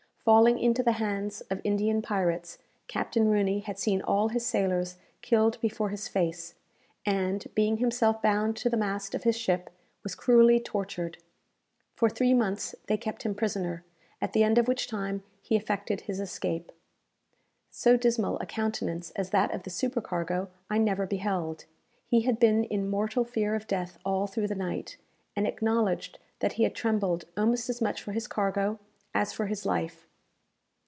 Falling into the hands of Indian pirates, Captain Rooney had seen all his sailors killed before his face, and, being himself bound to the mast of his ship, was cruelly tortured. For three months they kept him prisoner, at the end of which time he effected his escape. So dismal a countenance as that of the supercargo I never beheld. He had been in mortal fear of death all through the night, and acknowledged that he had trembled almost as much for his cargo as for his life.